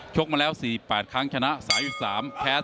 กมาแล้ว๔๘ครั้งชนะ๓๓แพ้